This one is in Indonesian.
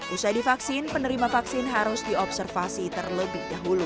usai divaksin penerima vaksin harus diobservasi terlebih dahulu